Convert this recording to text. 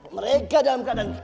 mereka dalam keadaan kesulitan